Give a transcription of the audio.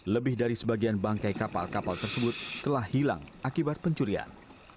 lebih dari sebagian bangkai kapal kapal tersebut telah hilang akibat pencurian